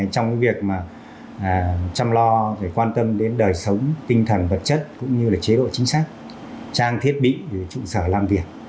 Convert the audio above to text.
trong cái việc mà chăm lo phải quan tâm đến đời sống tinh thần vật chất cũng như là chế độ chính sách trang thiết bị trụ sở làm việc